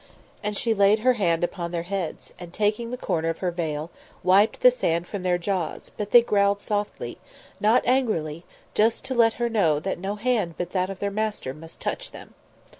And she laid her hand upon their heads and, taking the corner of her veil, wiped the sand from their jaws; but they growled softly not angrily just to let her know that no hand but that of their master must touch them.